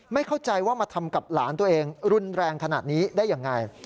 ไม่เข้าใจว่ามาทำกับหลานตัวเองรุนแรงขนาดนี้ได้ยังไง